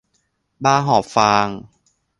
บ้าหอบฟาง